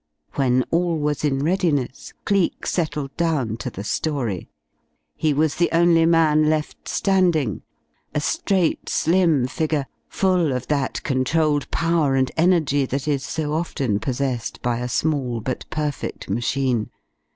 When all was in readiness, Cleek settled down to the story. He was the only man left standing, a straight slim figure, full of that controlled power and energy that is so often possessed by a small but perfect machine.